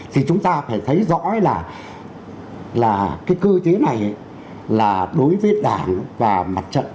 thì chúng ta phải thấy rõ là cái cư thế này là đối với đảng và mặt trận